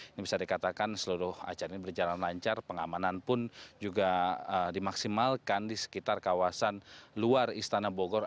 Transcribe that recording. ini bisa dikatakan seluruh acara ini berjalan lancar pengamanan pun juga dimaksimalkan di sekitar kawasan luar istana bogor